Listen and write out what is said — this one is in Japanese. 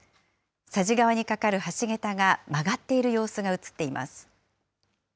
佐治川に架かる橋桁が曲がっている様子が映っています。